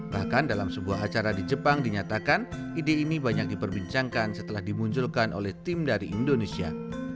bahkan dalam sebuah acara di jepang dinyatakan ide ini banyak diperbincangkan setelah dimunculkan oleh tim dari indonesia